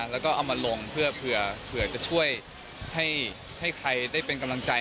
แล้วก็เอามาลงเพื่อเผื่อจะช่วยให้ใครได้เป็นกำลังใจ